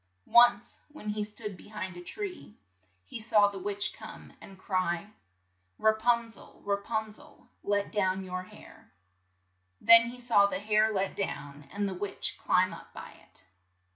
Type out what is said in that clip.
Once, when he stood be hind a tree, he saw the witch come, and cry, "Ra pun zel, Ra pun zel ! let down your hair. '' Then he saw the hair let down, and the witch climb up by it.